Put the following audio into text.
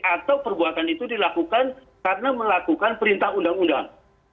atau perbuatan itu dilakukan karena melakukan perintah undang undang